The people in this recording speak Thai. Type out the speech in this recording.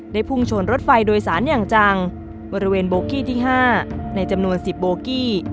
พุ่งชนรถไฟโดยสารอย่างจังบริเวณโบกี้ที่๕ในจำนวน๑๐โบกี้